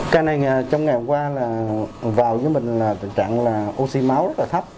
cái này trong ngày hôm qua là vào với mình là tình trạng là oxy máu rất là thấp